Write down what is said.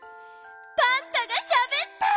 パンタがしゃべった！